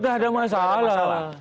tidak ada masalah